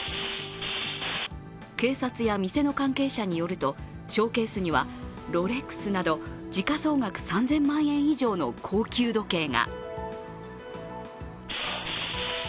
警察や店の関係者によるとショーケースにはロレックスなど時価総額３０００万円以上の高級時計が。